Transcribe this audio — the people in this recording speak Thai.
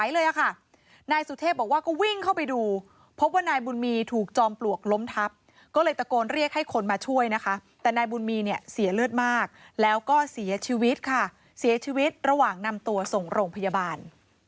แล้วก็เสียชีวิตค่ะเสียชีวิตระหว่างนำตัวส่งโรงพยาบาล